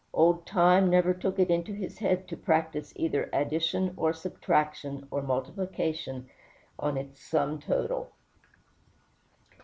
Old Time never took it into his head to practice either addition, or subtraction, or multiplication on its sum total.